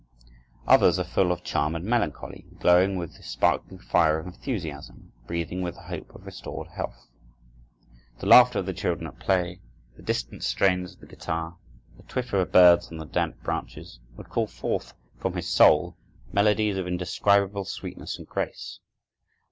Others are full of charm and melancholy, glowing with the sparkling fire of enthusiasm, breathing with the hope of restored health. The laughter of the children at play, the distant strains of the guitar, the twitter of birds on the damp branches, would call forth from his soul melodies of indescribable sweetness and grace.